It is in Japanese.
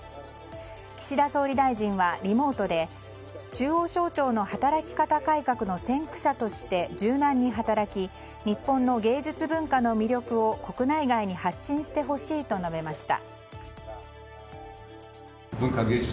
岸田総理大臣は、リモートで中央省庁の働き方改革の先駆者として柔軟に働き日本の芸術文化の魅力を国内外に発信してほしいと述べました。